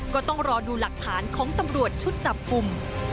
ก็ต้องรอดูหลักฐานของตำรวจชุดจับกลุ่ม